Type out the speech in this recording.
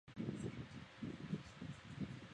钝裂天胡荽为伞形科天胡荽属下的一个变种。